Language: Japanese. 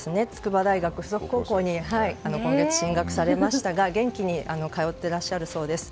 筑波大学付属高校に今月進学されましたが元気に通ってらっしゃるそうです。